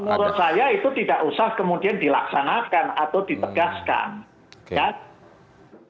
menurut saya itu tidak usah kemudian dilaksanakan atau ditegaskan